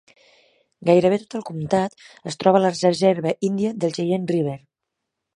Gairebé tot el comtat es troba a la reserva índia del Cheyenne River.